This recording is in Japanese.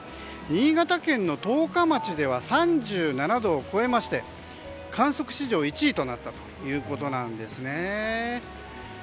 新潟県の十日町では３７度を超えまして観測史上１位となったということなんですね。